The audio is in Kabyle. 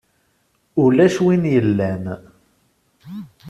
Ulac win yellan.